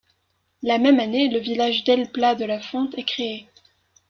La même année, le village d'El Pla de la Font est créé.